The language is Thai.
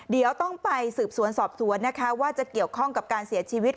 เดี๋ยวต้องไปสืบสวนสอบสวนนะคะว่าจะเกี่ยวข้องกับการเสียชีวิต